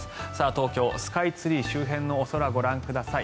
東京スカイツリー周辺のお空ご覧ください。